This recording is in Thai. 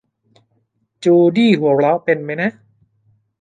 จูดี้หัวเราะเป็นมั้ยนะ